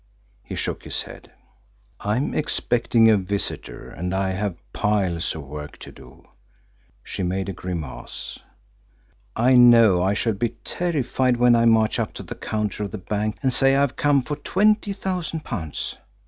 He shook his head. "I am expecting a visitor, and I have piles of work to do." She made a grimace. "I know I shall be terrified when I march up to the counter of the bank and say I've come for twenty thousand pounds!"